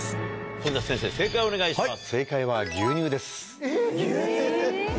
それでは先生正解をお願いします。